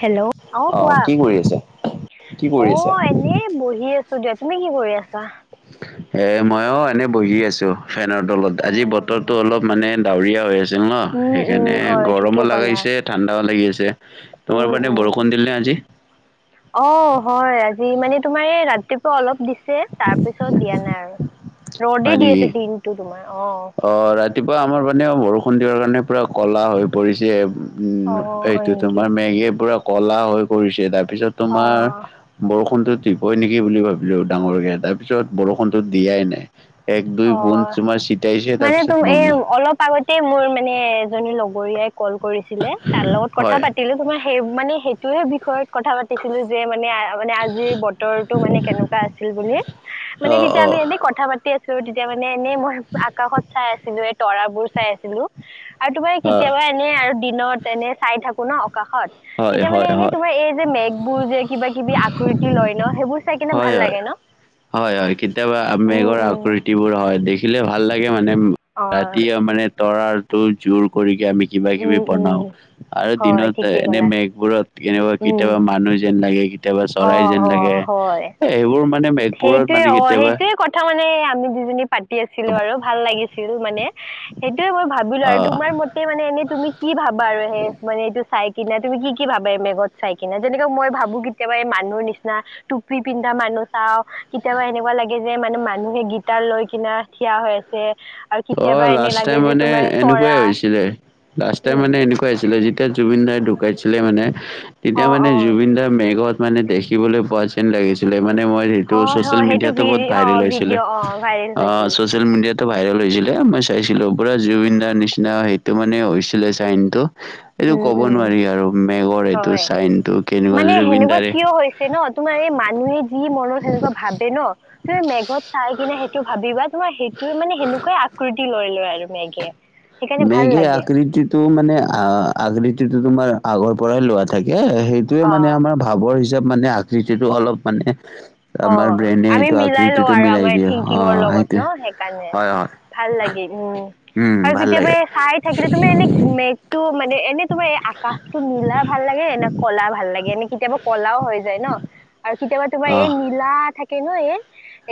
Hello অ কোৱা কি কৰি আছা কি অ কৰি আছা? এনেই বহি আছো দিয়া তুমি কি কৰি আছা? এ মইও এনেই বহি আছো ফেনৰ তলত অ আজি বতৰটো অলপ মানে ডাৱৰীয়া হৈ আছে। ন উম উম সেইকাৰণে হয় গৰমো ঠিকেই ক'লা লাগাইছে ঠাণ্ডাও লাগি আছে। উম তোমাৰ মানে উম বৰষুণ দিলে আজি [inaudible] অ হয় আজি মানে তোমাৰ এই ৰাতিপুৱা অলপ দিছে তাৰ পিছত দিয়া নাই আৰু ৰ'দে হয় দি নেকি? আছে দিনটো তোমাৰ অ। ৰাতিপুৱা আমাৰ মানে বৰষুণ দিয়াৰ কাৰণে পূৰা ক'লা হৈ পৰিছে। অ উম হয় এইটো নেকি তোমাৰ মেগে পুৰা ক'লা হৈ পৰিছে ত পিছত অ তোমাৰ বৰষুণটো দিবই নেকি বুলি ভাবিলোঁ ডাঙৰকে। তাৰপিছত বৰষুণটো দিয়াই নাই। এক দুই অ পোন তোমাৰ ছিটাইছে মানে তাৰপিছত তুম এই বন্ধ অলপ আগতে মোৰ মানে এজনীৰ লগ বৰীয়াই কল কৰিছিলে তাৰ লগত কথা হয়। পাতিলো তোমাৰ সেই মানে সেইটোয়ে বিষয়ত কথা পাতিছিলো যে মানে মানে আজিৰ বতৰটো মানে কেনেকুৱা আছিল বুলি। অ', মানে তেতিয়া আ অ', এনে কথা পাতি আছে তেতিয়া মানে এনেই মই আকাশত চাই আছিলো এই তৰা বোৰ চাই আছিলো। আৰু তোমাৰ অ', কেতিয়াবা এনে আৰু দিনত এনে চাই থাকো ন কাশত হয়, তেতিয়া মানে হয়, এনে হয়, তোমাৰ এই যে মেঘবোৰ যে কিবা কিবি আকৃতি লয় ন সেইবোৰ চাই কিনে ভাল হয়, ভাল হয়। লাগে ন? হয় হয় কেতিয়াবা উম মেঘৰ উম আকৃতি বোৰ হয় দেখিলে ভাল লাগে মানে অ ৰাতি মানে তৰাৰটো জোৰ কৰি এতিয়া আমি কিবা কিবি উম উম বনাও আৰু হয় দিনতে ঠিকেই এনে ক'লা মেঘবোৰত কেনেকুৱা উম। কেতিয়াবা মানুহ যেন লাগে। কেতিয়াবা অ', চৰাই যেন লাগে অ', হয়। এইবোৰ মানে মেঘবোৰত সেইটোয়ে মানে অ, কেতিয়াবা সেইটোয়ে কথা মানে আমি দুজনী পাতি আছিলো আৰু ভাল লাগিছিল মানে সেইটোৱে মই ভাবিলো আৰু অ'। তোমাৰ মতে মানে এনেই তুমি কি ভাবা আৰু সে মানে এইটো চাই কিনা তুমি কি কি ভাবা এই মেঘত চাই কিনে। যেনেকা মই ভাবো কেতিয়াবা এই মানুহ নিচিনা টুপি পিন্ধা মানুহ চাও কেতিয়াবা এনেকুৱা লাগে যে মানে মানুহে গীটাৰ লৈ কিনে থিয় হৈ আছে। আৰু অ কেতিয়াবা এনে লাষ্ট লাগে টাইম যে মানে তোমাৰ চৰা এনেকুৱাই হৈছিলে। লাষ্ট টাইম উম। মানে এনেকুৱা হৈছিলে যেতিয়া জুবিন দাই ধুক কাইছিলে মানে তেতিয়া অ', মানে অ', জুবিন দা মেগত মানে দেখিবলৈ পোৱা যেন লাগিছিলে। মানে মই সেইটো হয়, চচেল হয় সেইটো মিডিয়োটো বহুত ভিডি ভাইৰেল অ', হৈছিলে। ভিডিঅ' অ', ভাইৰেল অ হৈছিল। চচিয়েল মিডিয়াত টো ভাইৰেল হৈছিলে, মই চাইছিলো পুৰা জুবিন দাৰ নিচিনা সেইটো মানে হৈছিলে চাইনটো। এইটো উম, ক'ব উম। নোৱাৰি আৰু মেগৰ এইটো হয় চাইনটো কেনেকুৱা মানে জুবিন সেনেকুৱা দাৰে কিয় হৈছে ন? তোমাৰ এই মানুহে যি মনত সেনেকুৱা ভাবে ন তুমি মেঘত চাই কিনে সেইটো ভাবিবা তোমাৰ সেইটোৱে মানে সেনেকোৱাই আকৃতি লৈ লয় আৰু মেঘে। সেইকাৰণে ভাল মেঘে লাগে আকৃতিতো মানে আ- আকতিটো তোমাৰ আগৰ পৰাই লোৱা থাকে। সেইটোৱে অ মানে আমাৰ ভাৱৰ হিচাপ মানে আকৃতিটো অলপ মানে অ আমাৰ ব্ৰেইনে আমি এইটো মিলাই লওঁ আকৃতিটো আৰু মিলাই আমাৰ দিয়ে। অ থিংকিঙৰ লগত ন সেইটোৱে, সেইকাৰণে হয় হয়। ভাল লাগে, উম। উম আৰু ভাল কেতিয়াবা লাগে। এই চাই থাকিলে, তোমাৰ এনে মেঘটো মানে এনে তোমাৰ এই আকাশটো নীলা ভাল লাগে না ক'লা ভাল লাগে। এনে কেতিয়াবা ক'লাও হৈ যায় ন আৰু কেতিয়াবা তোমাৰ অ এই নীলা থাকে ন এই।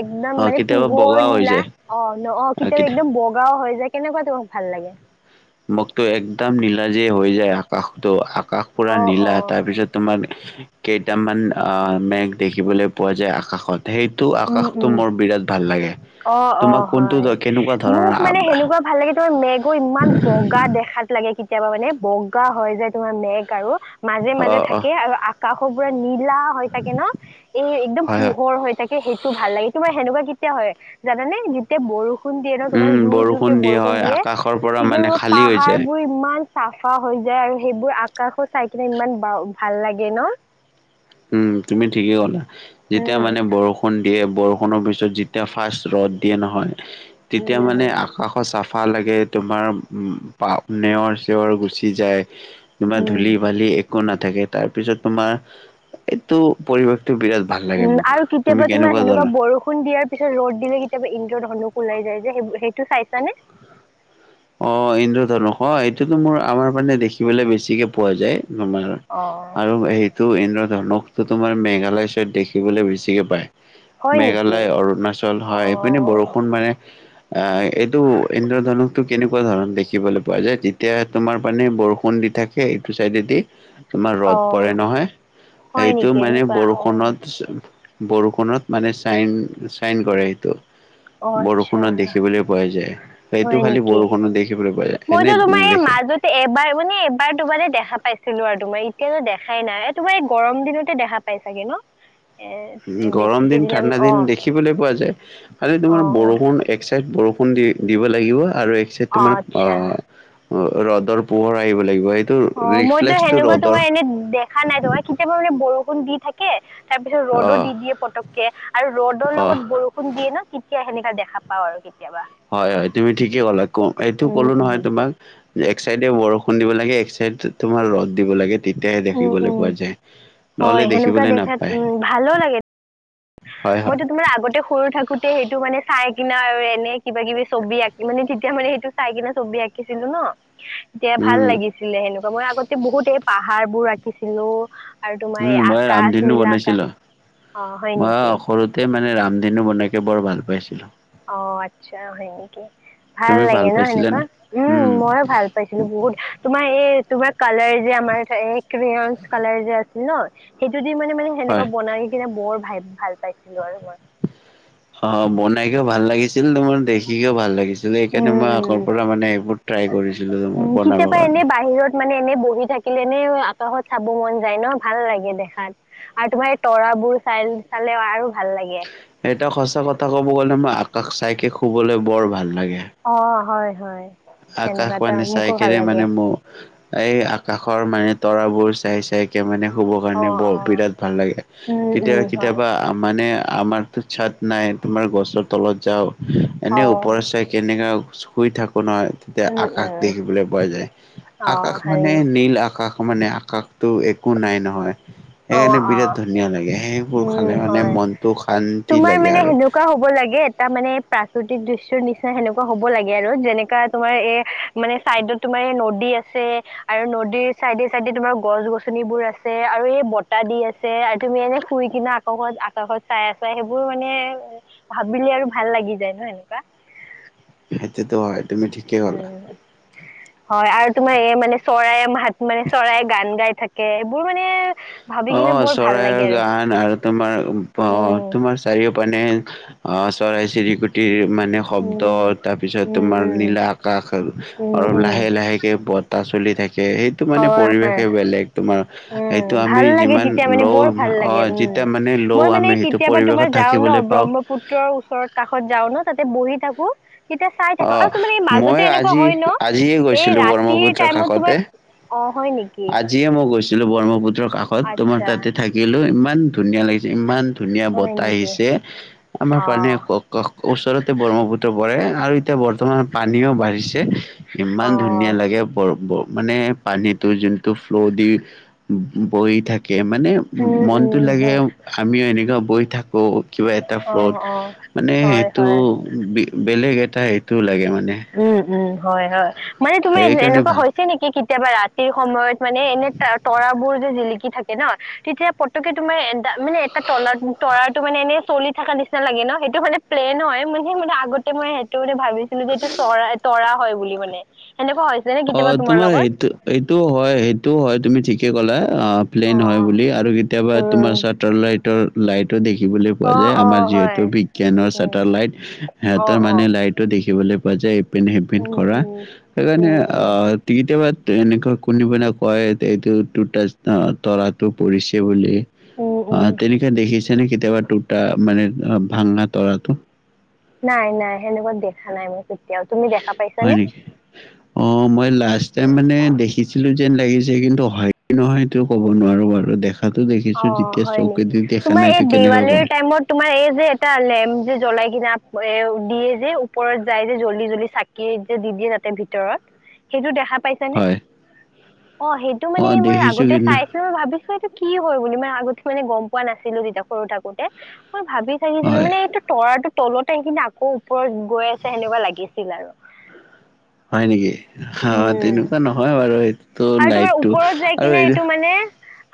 একদম অ মানে কেতিয়াবা পোহৰ বগা হৈ নীলা যায় অ ন? অ কেতিয়াবা কেতি একদম বগাও হৈ যায়। কেনেকুৱা তোমাক ভাল লাগে? মোকতো একদম নীলা যে হৈ যায় আকাশতো, আকাশ পুৰা অ অ নীলা তাৰ পিছত তোমাৰ কেইটামান অহ মেঘ দেখিবলৈ পোৱা যায় আকাশত। সেইটো উম আকাশটো উম। মোৰ বিৰাট ভাল লাগে। অ অ তোমাক কোনটো হয়। কেনেকুৱা ধৰণৰ মোক আ মানে সেনেকুৱা ভাল লাগে। তোমাৰ মেগ ইমান বগা দেখাত লাগে কেতিয়াবা মানে বগা হয় যে তোমাৰ মেঘ আৰু মাজে অ মাজে অ থাকে আৰু আকাশো পুৰা নি লা হৈ থাকে ন এই একদম হয় হয় পোহৰ হৈ থাকে সেইটো ভাল লাগে তোমাৰ সেনেকুৱা কেতিয়া হয় জানানে যেতিয়া বৰষু বৰষুণ দিয়ে ন, উম তোমাৰ যোৰ বৰষুণ জোৰকৈ দি বৰষুণ হয় দিয়ে, আকাশৰ পৰা তেতিয়া মানে জানা খালী হৈ পাহাৰ যায় বোৰ ইমান চাফা হৈ যায় আৰু সেইবোৰ আকাশত চাই কিনে ইমান বা ভাল লাগে ন উম তুমি ঠিকেই ক'লা যেতিয়া উম মানে বৰষুণ দিয়ে বৰষুণৰ পিছত যেতিয়া ফাৰ্ষ্ট ৰদ ৰদ দিয়ে নহয়। তেতিয়া উম মানে আকাশৰ চাফা লাগে তোমাৰ উ নেৰ। চৰ গুচি যায় তোমাৰ উম ধূলি বালি একো নাথাকে তাৰপিছত তোমাৰ। এইটো পৰিৱেশ। উম আৰু কেতিয়াবা তোমাৰ সেনেকুৱা ধৰণৰ বৰষুণ দিয়াৰ পিছত ৰ'দ দিলে কেতিয়াবা ইন্দ্ৰৰ ধনু। ওলাই যায় যে সেই সেইটো চাইছানে। অ ইন্দ্ৰধনুষ এইটোতো মোৰ আমাৰ মানে দেখিবলৈ বেছিকে পোৱা যায়। তমাৰ আৰু সেইটো এ। ধৰকতো তোমাৰ মেঘালয় ছাইদ দেখিবলৈ বেছিকে পায়। হয় নেকি? মেঘালয় অৰুণাচল হয় এইপিনে অ' বৰষুণ মানে। আ এইটো ইন্দ্ৰধন। টো কেনেকুৱা ধৰণত দেখিবলৈ পোৱা যায় যেতিয়া তোমাৰ পানে বৰষুণ দি থাকে এইটো চাইডেদি। তোমাৰ অ ৰ'দ পৰে নহয় হয় সেইটো নেকি মানে এনেকুৱা অ' বৰষুণত। বৰষুণত মানে চাইন চাইন কৰে সেইটো। অ' আচ্ছা বৰষুণত দেখিবলৈ পোৱা যায়। সেইটো হয় খালি নেকি বৰষুণত দেখিবলৈ পোৱা যায় এনে মইতো তোমাৰ এই নেদেখে। মাজতে এবাৰ মানে এইবাৰ তোমাৰে দেখা পাইছো। ছিলো আৰু তোমাৰ এতিয়াতো দেখাই নাই তোমাৰ এই গৰম দিনতে দেখা পাই চাগে ন। এ গৰম বেছিকে দিন দিনা ঠাণ্ডা দিন অ' দেখিবলে পোৱা যায় খালি অ' তোমাৰ অ' বৰষুণ এক চাইড বৰষুণ। দি দিব লাগিব আৰু এক চাইড তোম অ আচ্ছা ৰ'দৰ পোহৰ আহিব লাগিব। এইটো অ মইতো ৰিফ্লেক্সটো সেনেকুৱা ৰ'দৰ তোমাৰ এনে দেখা নাই তোমাৰ কেতিয়াবা মানে বৰষুণ দি থাকে। তাৰ পিছত ৰ'দো অ' দি দিয়ে পতককে আৰু ৰ'দৰ অ' লগত বৰষুণ দিয়ে ন তেতিয়া সেনেকা দেখা পাও আৰু। কেতিয়াবা হয় হয় তুমি ঠিকেই ক'লা ক এইটো উম কলো উম নহয় তোমাক। এক চাইডে বৰষুণ দিব লাগে এক চাইড তোমাৰ ৰ'দ দিব লাগে। তেতিয়াহে উম দেখিবলৈ উম পোৱা যায় হয় নহ'লে সেনেকুৱা দেখিবলৈ দেখাত নাপায়। উম ভালো লাগে হয় হয় মইতো তোমাৰ আগতে সৰু থাকোতে সেইটো মানে চাই। আ কিনা আৰু এনে কিবা কিবি ছবি আঁকি মানে তেতিয়া মানে সেইটো চাই কিনে ছবি আঁকিছিলো ন এতিয়া ভাল উম লাগিছিলে সেনেকুৱা মই আগতে বহুত এই পাহাৰ বোৰ আঁকিছিলো আৰু তোমাৰ উম এই মই আকাশ ৰামধেনু নীলা আকাশ বনাইছিলো। অ হয় মই নেকি সৰুতে মানে ৰামধেনু বনাইকে বৰ ভাল পাইছিলো। অ আচ্ছা হয় নেকি ভাল তুমি লাগে ন সেনেকুৱা পাইছিলানে? উম ময়ো ভাল পাইছিলো। বহুত তোমাৰ এই তোমাৰ কালাৰ যে আমাৰ ক কালাৰ যে আছিল ন সেইটো মানে মানে সেনেকুৱা হয়। বনাই কিনে বৰ ভ ভাল পাইছিলো আৰু মই অ বনাই কে ভাল লাগিছে। ছিল তোমাৰ দেখিেও ভাল লাগিছিল সেইকাৰণে উম মই উম আগৰ পৰা মানে এইবোৰ ট্ৰাই কৰিছিলো তোৰ বনাব কাৰণে। মান এনে। থাকিলেনে আকাশত চাব মন যায় ন ভাল লাগে দেখাত আৰু তোমাৰ এই তৰাবোৰ চাই। আৰু। ভাল লাগে এটা সঁচা কথা ক'ব গ'লে মই আকাশ চাইকে শুবলৈ বৰ ভাল। লাগে। অ হয় হয়। আকাশ সেনেকুৱা এটা মানে চাই মোকো ভাল কেনে লাগে মানে মোৰ এই আকাশৰ মানে। তৰাবোৰ চাই চাই কে মানে। শুব অ কাৰণে ব অ বিৰাট ভাল লাগে উম উম কেতিয়াবা হয় কেতিয়াবা মানে। আমাৰতো চাট নাই তোমাৰ গছৰ তলত যাওঁ অ এনেই ওপৰে চাই কেনেকা। শুই থাকো নহয় তেতিয়া উম আকাশ উম দেখিবলৈ পোৱা যায় অ আকাশ হয় মানে নেকি নীল আকাশ। মানে আকাশটো একো নাই নহয়। সেই অ এনে অ বিৰাট ধুনীয়া লাগে সেইবোৰ উম খালে মানে হয় মনটো শান্তি তোমাৰ লাগে, মানে আৰু। সেনেকুৱা হ'ব লাগে এটা মানে,। প্ৰাকৃতিক দৃশ্যৰ নিচিনা সেনেকুৱা হব লাগে, আৰু যেনেকা তোমাৰ এ মানে চাইডত তোমাৰ এই নদী, আছে। আছে আৰু নদীৰ চাইডে চাইডে তোমাৰ গছ গছনিবোৰ আছে আৰু এই। বতাহ দি আছে আৰু তুমি এনে শুই কিনে আকাত আকাশত চাই আ চা সেইবোৰ মানে ভাব। বি আৰু ভাল লাগি যায় ন এনেকুৱা। সেইটোতো হয় তুমি ঠিকেই গলা। উম হয় আৰু তোমাৰ এই মানে চৰাই মাত মানে চৰাই গান গাই থাকে এইবোৰ মানে। ভাবি অ কিনে বৰ ভাল চৰাইৰ লাগে আৰু গান আৰু তোমাৰ অ উম তোমাৰ চাৰিও পানে। অ চৰাই চিৰিকুটিৰ। মানে শব্দ উম, তাৰপিছত উম, তোমাৰ উম, নীলা আকাশ আৰু উম, অলপ উম, লাহে লাহেকে ব। তা চলি থাকে সেইটো মানে হয়, হয়, পৰিৱেশে বেলেগ, তোমাৰ উম, সেইটো আমি ভাল লাগে যিমান তেতিয়া মানে লওঁ বৰ ভাল লাগে অ' উম যেতিয়া মানে লওঁ মই মানে আমি সেইটো কেতিয়াবা পৰিৱেশত তোমাৰ যাও ন থাকিবলৈ পাওঁ ব্ৰহ্মপুত্ৰৰ। ওচৰত কাষত যাও ন তাতে বহি থাকো। তেতিয়া চাই থাকো অ', আৰু তোমাৰ এই মই মাজতে এনেকুৱা আজি হয় ন আজিয়ে এই গৈছিলোঁ ৰাতিৰ ব্ৰহ্মপুত্ৰৰ টাইমত কাষতে। তোমাৰ। অ হয় নেকি। আজিয়ে মই গৈছিলোঁ ব্ৰহ্মপুত্ৰৰ কাষত তোমাৰ আচ্ছা তাতে থাকিলো ইমান ধুনীয়া লাগিছে ইমান। ধুনীয়া হয় বতাহ নেকি আহিছে আমাৰ পানে অ', ওচৰতে ব্ৰহ্মপুত্ৰ পৰে। আৰু এয়া বৰ্তমান পানীও বাঢ়িছে ইমান ধুনীয়া অ', লাগে। মানে পানীতো যোনটো ফ্ল' দি বৈ থাকি তাক মানে উম, মনটো উম, লাগে হয় আমিও এনেকুৱা বৈ থাকোঁ। কিবা এটা ফ্লত অ', অ', মানে হয়, সেইটো হয়। বেলেগ এটা সেইটো লাগে মানে। উম উম হয় -হয় মানে তোমাৰ সেইকাৰণে এনেকুৱা ভাল। হৈছে নেকি? কেতিয়াবা ৰাতিৰ সময়ত মানে এনে তৰাবোৰ যে জিলিকি থাকে ন তেতিয়া পতকে তোমাৰ। মানে এটা তলাৰ তৰা। মানে এনেই চলি থকা নিচনা লাগে ন সেইটো মানে প্লেন হয় মান সে মানে আগতে মই সেইটোন। ভাবিছিলো যে এইটো। চৰা তৰা হয় বুলি মানে। সেনেকুৱা হৈছে নে অ কেতিয়াবা তোমাৰ লগত সেইটো এইটো হয় সেইটোও হয় তুমি ঠিকে ক'লা। অ প্লেন হয় বুলি আৰু কেতিয়াবা তোমাৰ উম চাটাৰ লাইটৰ লাইট। দেখিবলৈ পোৱা অ যায় অ আমাৰ হয় যিহেতু বিজ্ঞানৰ উম চাটালাইট অ সিহঁতৰ অ মানে লাইটটো দেখি দেখিবলৈ পোৱা যায় এইপিন সেইপিন উম কৰা উম সেইকাৰণে উম উম আহ কেতিয়াবা। এনেকুৱা কোনে পনোই কয় এইটো দুটা তৰাটো পৰিছে বুলি। উম উম আহ তেনেকে দেখিছে নে কেতিয়াবা দুটা মানে ভাঙা তৰাটো? নাই নাই সেনেকুৱা দেখা নাই মই। কেতিয়াও তুমি দেখা হয় পাইছানে নেকি অ মই লাষ্টাইম মানে দেখিছিলো। যেন লাগিছে কিন্তু হয় নহয় তো ক'ব নোৱাৰো বাৰু দেখা। দেখাতো দেখিছো অ যেতিয়া হয় চকুৱে নেকি। দি তোমাৰ নাই এই এইটো কেনেকৈ দেৱালীৰ ক'ম। টাইমত তোমাৰ এই যে এটা লেম যে জ্বলাই। কিনা এ দিয়ে যে ওপৰত যায় যে জ্বলি -জ্বলি চাকি যে দি দিয়ে তাতে ভিতৰত। সেইটো দেখা পাইছানে হয় অ সেইটো অ' মানে মই দেখিছো আগতে কিন্তু চাইচো ভাবিছো এইটো। কি হয় বুলি মানে আগতে মানে গম পোৱা নাছিলো তেতিয়া সৰু থাকোতে। মই ভাবি থাকিছিলো হয়। মানে এইটো তৰা তলতে আহ কিনে আকৌ ওপৰত গৈ আছে সেনেকুৱা লাগিছিল আৰু। হয় নেকি অ উম তেনেকুৱা নহয় বাৰু এই। আৰু তোমাৰ ওপৰত যাই কিনে এইটো মানে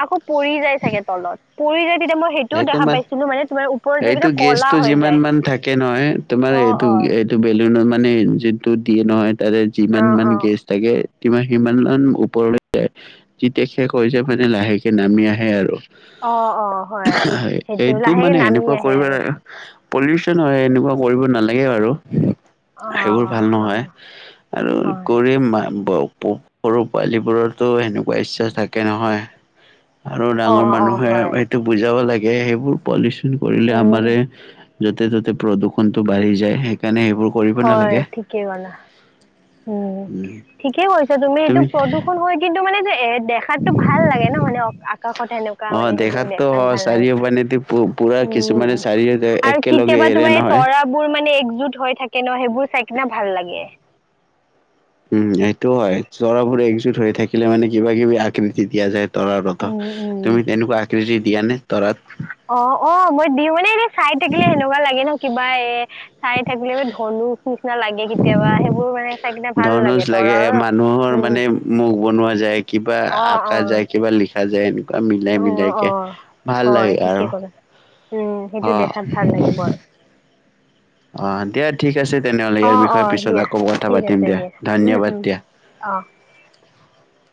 আকৌ পৰি যায় চাগে তলত পৰি যায়। তেতিয়া মই সেইটোও এইটো দেখা মান পাইছিলো মানে তোমাৰ ওপৰত যাই এইটো কিনে কলা গেছটো হৈ যিমান যায়। মান থাকে নহয় তোমাৰ অ', এইটো। অ'। এইটো বেলুন মানে যিটো দিয়ে নহয় তাতে যিমান অ', মান অ', গেছ থাকে। মান সিমান ওপৰলৈ যায় যেতিয়া শেষ হৈ যায় মানে লাহেকে নামি আহে আৰু। অ অ। হয় সেইটো এইটো লাহেকে মানে নামি এনেকুৱা আহে কৰিব। আৰু। পলিউচন হয় এনেকুৱা কৰিব নালাগে আৰু সেইবোৰ অ', ভাল নহয় হয়, আৰু হয়। কৰি। সৰু পোৱালীবোৰৰ টো সেনেকুৱা ইচ্ছা থাকে নহয় আৰু ডাঙৰ অ', অ', মানুহে হয়, সেইটো বুজাব লাগে সেইবোৰ পলিচন কৰিলে উম, আমাৰে য'তে ত'তে প্ৰদূষণতটো বাঢ়ি যায় সেইকাৰণে সেইবোৰ কৰিব হয় নালাগে ঠিকেই ক'লা উম ঠিকেই কৈছা তুমি এইটো প্ৰদূষণ হৈ কিন্তু মানে যে দেখাততো ভাল লাগে ন মানে কাখত সেনেকুৱা অ মানে সেইবোৰ দেখাতো দেখাত ভাল লাগে চাৰিও পানেদি পু- পুৰা উম কিছুমানে উ চাৰিও আৰু একেলগে কেতিয়াবা এৰে তোমাৰ নহয় তৰাবোৰ মানে একজুট হৈ থাকে ন সেইবোৰ চাই কিনে ভাল লাগে। উম এইটো হয় চ্বৰাবোৰ একজুট হৈ থাকিলে মানে কিবা কিবি আকৃতি দিয়া যায়। তৰা, ৰথা উম উম। তুমি তেনেকুৱা আকৃতি, দিয়া নে। তৰাত? অ অ মই দিওঁনে এনে চাই থাকিলে সেনেকুৱা লাগে। ন কিবা এ চাই থাকিলে এই ধনু নিচিনা লাগে কেতিয়াবা সেইবোৰ মানে চাই কিনে ভাল লাগে। তৰা, ৰ মহৰ মানে মুখ বনোৱা যায় কিবা অ অ আঁকা যায় কিবা লিখা যায়। মিলাই অ মিলাইকে অ ভাল হয় লাগে। আৰু ঠিকে ক'লা উম সেইটো অ দেখাত ভাল লাগে বৰ। অ দিয়া ঠিক আছে তেনেহ'লে অ ইয়াৰ অ বিষয়ে পিছত দিয়া আকৌ কথা ঠিক পাতিম আছে দিয়া উম ধন্যবাদ উম দিয়া। অ [unintelligible]